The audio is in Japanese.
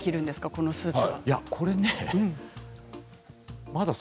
このスーツ。